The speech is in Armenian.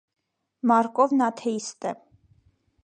Մարկովն աթեիստ է։